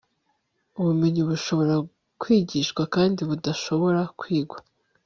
Ubumenyi bushobora kwigishwa kandi budashobora kwigwa